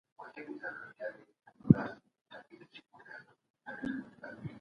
دوی د تولید لپاره نوي ماشینونه راوړي دي.